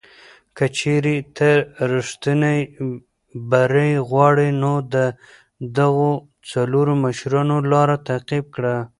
که چېرې ته ریښتینی بری غواړې، نو د دغو څلورو مشرانو لاره تعقیب کړه.